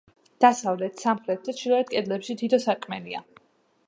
დასავლეთ, სამხრეთ და ჩრდილოეთ კედლებში თითო სარკმელია.